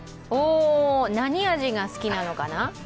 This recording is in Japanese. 何味が好きなのかな？